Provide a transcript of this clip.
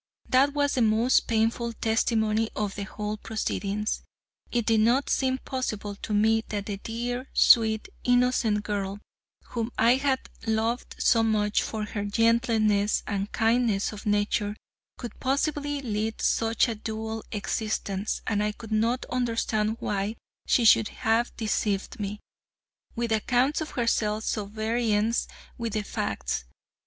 That was the most painful testimony of the whole proceedings. It did not seem possible to me that the dear, sweet, innocent girl, whom I had loved so much for her gentleness and kindness of nature, could possibly lead such a dual existence, and I could not understand why she should have deceived me, with accounts of herself so at variance with the facts.